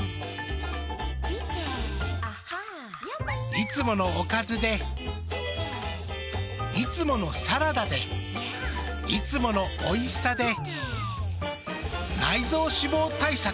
いつものおかずでいつものサラダでいつものおいしさで内臓脂肪対策。